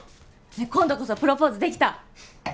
今度こそプロポーズできた？